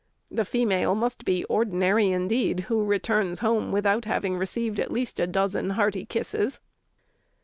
The female must be ordinary indeed who returns home without having received at least a dozen hearty kisses."